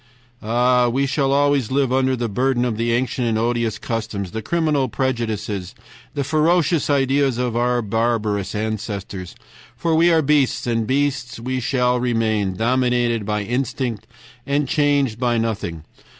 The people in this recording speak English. "Ah! we shall always live under the burden of the ancient and odious customs, the criminal prejudices, the ferocious ideas of our barbarous ancestors, for we are beasts, and beasts we shall remain, dominated by instinct and changed by nothing.